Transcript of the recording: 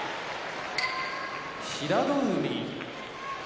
平戸海